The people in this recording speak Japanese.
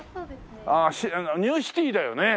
ニューシティーだよね。